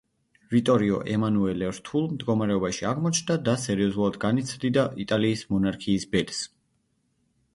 ვიტორიო ემანუელე რთულ მდგომარეობაში აღმოჩნდა და სერიოზულად განიცდიდა იტალიის მონარქიის ბედს.